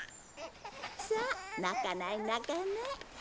さあ泣かない泣かない。